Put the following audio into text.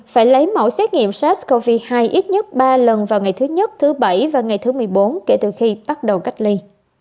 phải lấy mẫu xét nghiệm sars cov hai ít nhất ba lần vào ngày thứ nhất thứ bảy và ngày thứ một mươi bốn kể từ khi bắt đầu cách ly